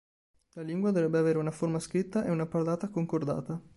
La lingua dovrebbe avere una forma scritta e una parlata concordata.